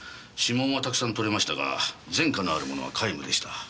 指紋はたくさん採れましたが前科のあるものは皆無でした。